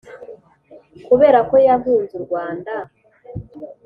Kubera ko yankunze u rwanda